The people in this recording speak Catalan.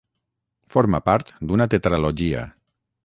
Forma part d'una tetralogia.